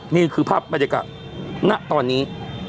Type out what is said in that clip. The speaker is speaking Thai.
นี่คือภาพบรรยากาศณตอนนี้